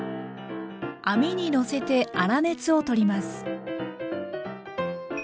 網にのせて粗熱を取ります。